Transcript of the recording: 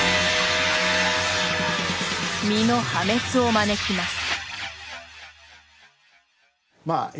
身の破滅を招きます。